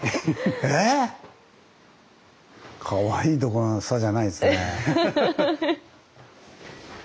え⁉かわいいどころの差じゃないですね。